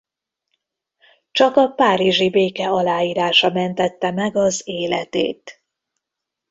Csak a párizsi béke aláírása mentette meg az életét.